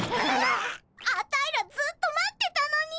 アタイらずっと待ってたのに！